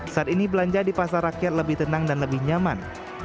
saat ini belanja di pasar rakyat lebih tenang dan lebih nyaman